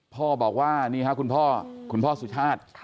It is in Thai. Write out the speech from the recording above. พ่อบอกว่านี่ค่ะคุณพ่อคุณพ่อสุชาติ